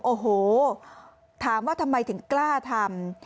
โอ้โหถามว่าทำไมถึงกล้าทำ